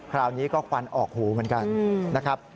คราวนี้ก็ควันออกหูเหมือนกันนะครับ